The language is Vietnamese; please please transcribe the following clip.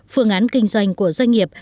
phương án kinh doanh của doanh nghiệp